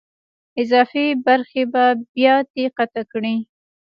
اضافي برخې په بیاتي قطع کړئ.